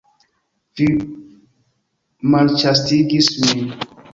Vi malĉastigis min!